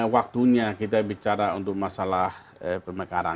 waktunya kita bicara untuk masalah pemekaran